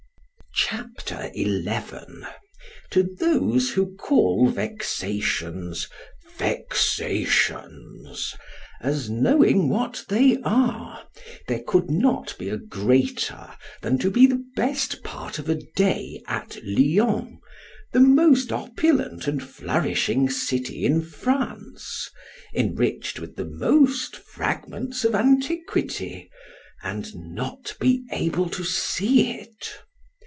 C H A P. XI TO those who call vexations, VEXATIONS, as knowing what they are, there could not be a greater, than to be the best part of a day at Lyons, the most opulent and flourishing city in France, enriched with the most fragments of antiquity—and not be able to see it.